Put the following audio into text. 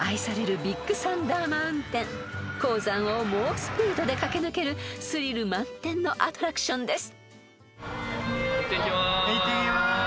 ［鉱山を猛スピードで駆け抜けるスリル満点のアトラクションです］